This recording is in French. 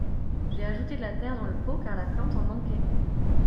J'ai ajouté de la terre dans le pot car la plante en manquait.